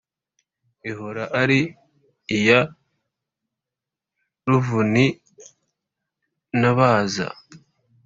ihora ari iya ruvunintabaza